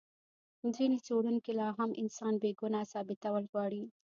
ځینې څېړونکي لا هم انسان بې ګناه ثابتول غواړي.